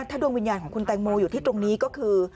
ถ้าดวงวิญญาณของคุณแตงโมอยู่ที่ตรงนี้ก็คือ